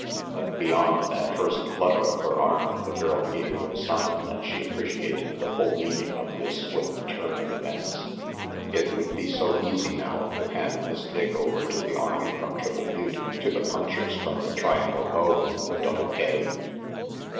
But beyond that first flutter of her arm, the girl gave no sign that she appreciated the full meaning of this swift turn of events. It would be so easy now, to hand Miss Dick over to the army from Triple Butte, to the punchers from the Triangle O and the Double K.